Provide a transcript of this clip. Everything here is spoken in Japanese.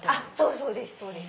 そうですそうです。